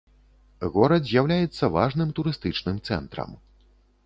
Горад з'яўляецца важным турыстычным цэнтрам.